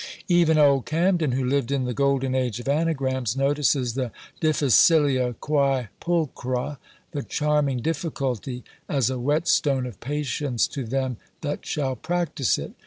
Even old Camden, who lived in the golden age of anagrams, notices the difficilia quÃḊ pulchra, the charming difficulty, "as a whetstone of patience to them that shall practise it.